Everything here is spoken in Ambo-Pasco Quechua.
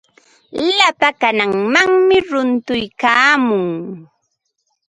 Slapa hananmanmi runtuykaamun.